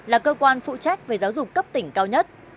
là cơ quan phụ trách về giáo dục cấp tỉnh cao nhất